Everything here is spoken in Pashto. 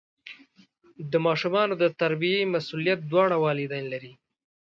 د ماشومانو د تربیې مسؤلیت دواړه والدین لري.